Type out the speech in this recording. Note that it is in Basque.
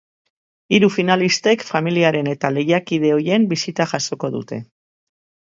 Hiru finalistek familiaren eta lehiakide ohien bisita jasoko dute.